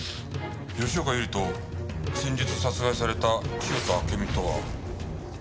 吉岡百合と先日殺害された清田暁美とは同期入社？